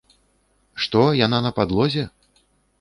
Што, яна на падлозе?